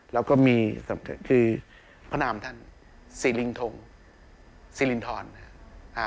แล้วก็มีคือพระนามท่านสีลิงธรรม